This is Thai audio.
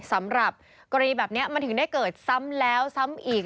สำหรับกรณีแบบนี้มันถึงได้เกิดซ้ำแล้วซ้ำอีก